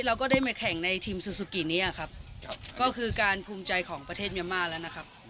เราก็ได้มาแข่งในทีมซูซูกิเนี่ยครับก็คือการภูมิใจของประเทศเมียม่าแล้วนะครับ